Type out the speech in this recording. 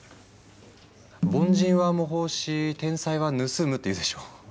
「凡人は模倣し天才は盗む」って言うでしょ。